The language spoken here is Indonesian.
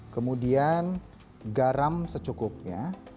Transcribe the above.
kemudian garam secukupnya